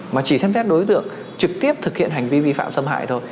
mà chỉ xem xét đối tượng trực tiếp thực hiện hành vi vi phạm xâm hại thôi